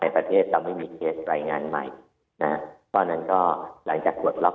ในประเทศเราไม่มีเคสรายงานใหม่นะข้อนั้นก็หลังจากสวดล็อค